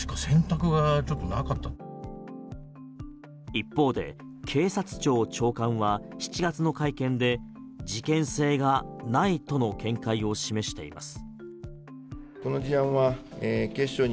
一方で警察庁長官は７月の会見で事件性がないとの見解を示しています。